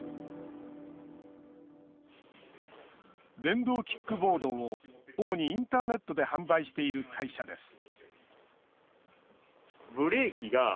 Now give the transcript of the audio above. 電動キックボードを主にインターネットで販売している会社です。